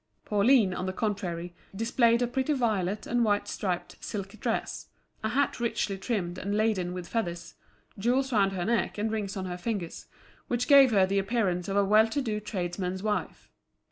Pauline, on the contrary, displayed a pretty violet and white striped silk dress, a hat richly trimmed and laden with feathers, jewels round her neck and rings on her fingers, which gave her the appearance of a well to do tradesman's wife.